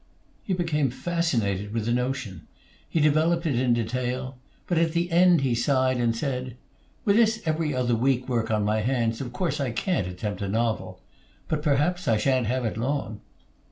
He became fascinated with the notion. He developed it in detail; but at the end he sighed and said: "With this 'Every Other Week' work on my hands, of course I can't attempt a novel. But perhaps I sha'n't have it long."